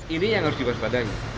ini yang harus dibuat sepadanya